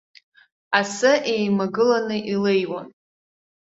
Асы еимагыланы илеиуан!